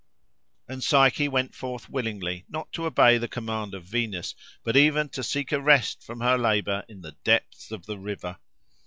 And Psyche went forth willingly, not to obey the command of Venus, but even to seek a rest from her labour in the depths of the river.